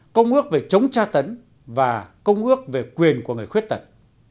công ước về chống tra tấn và công ước về quyền của người khuyết tật